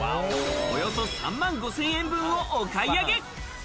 およそ３万５０００円分をお買い上げ。